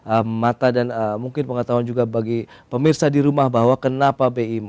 ada mata dan mungkin pengetahuan juga bagi pemirsa di rumah bahwa kenapa bi